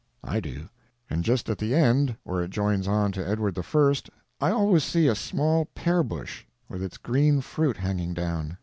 I do; and just at the end where it joins on to Edward I. I always see a small pear bush with its green fruit hanging down.